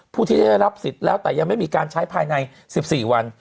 ผู้ที่ได้รับสิทธิ์แล้วแต่ยังไม่มีการใช้ภายใน๑๔วัน